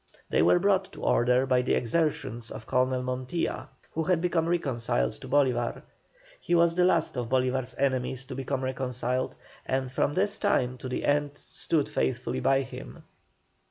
They were brought to order by the exertions of Colonel Montilla, who had become reconciled to Bolívar. He was the last of Bolívar's enemies to become reconciled, and from this time to the end stood faithfully by him.